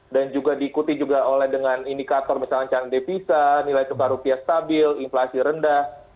dan juga diikuti juga oleh dengan indikator misalnya cang depisa nilai tukar rupiah stabil inflasi rendah